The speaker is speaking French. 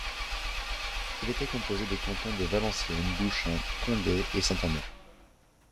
Il était composé des cantons de Valenciennes, Bouchain, Condé et Saint Amand.